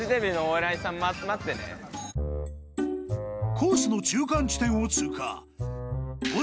［コースの中間地点を通過］